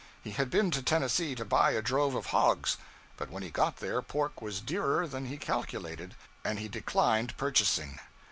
He had been to Tennessee to buy a drove of hogs, but when he got there pork was dearer than he calculated, and he declined purchasing.